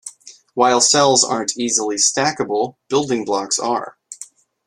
While cells aren't easily stackable, building blocks are.